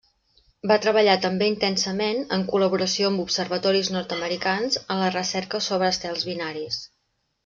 Va treballar també intensament, en col·laboració amb observatoris nord-americans, en la recerca sobre estels binaris.